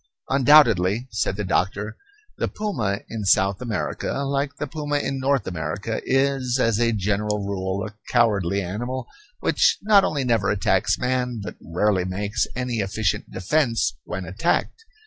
Undoubtedly, said the doctor, the puma in South America, like the puma in North America, is, as a general rule, a cowardly animal which not only never attacks man, but rarely makes any efficient defence when attacked.